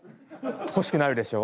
欲しくなるでしょ？